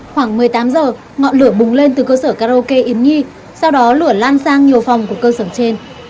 khoảng một mươi tám h ngọn lửa bùng lên từ cơ sở karaoke yến nhi sau đó lửa lan sang nhiều phòng của cơ sở trên